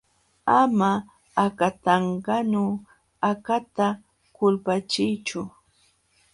Ama akatanqanu akata kulpachiychu.